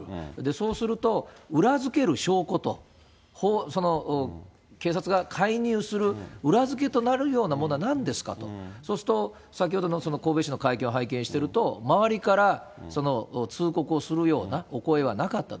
そうすると、裏付ける証拠と、警察が介入する裏付けとなるようなものはなんですかと、そうすると、先ほどのその神戸市の会見を拝見していると、周りから通告をするようなお声はなかったと。